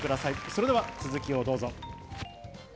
それでは続きをどうぞ。